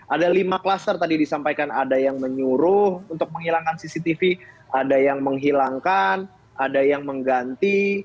ada lima klaster tadi disampaikan ada yang menyuruh untuk menghilangkan cctv ada yang menghilangkan ada yang mengganti